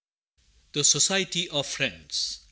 THE SOCIETY OF FRIENDS.